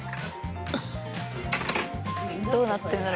どうなってるんだろ。